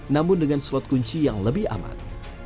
namun dengan slot kunci yang lebih aman